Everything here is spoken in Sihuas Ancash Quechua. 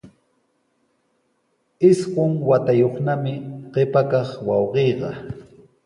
Isqun watayuqnami qipa kaq wawqiiqa.